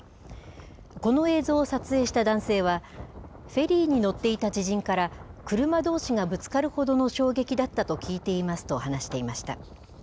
この映像を撮影した男性は、フェリーに乗っていた知人から、車どうしがぶつかるほどの衝撃だったと聞いていますと話していました。